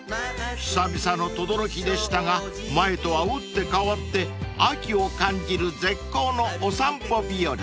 ［久々の等々力でしたが前とは打って変わって秋を感じる絶好のお散歩日和］